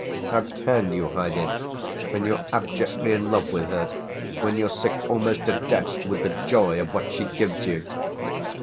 How can you hide it when you're abjectly in love with her, when you're sick almost to death with the joy of what she gives you?"